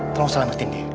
tolong selamatin dia